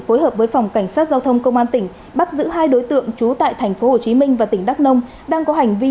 phối hợp với phòng cảnh sát giao thông công an tỉnh bắt giữ hai đối tượng trú tại tp hcm và tỉnh đắk nông